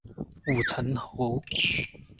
武城侯。